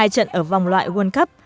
hai trận ở vòng loại world cup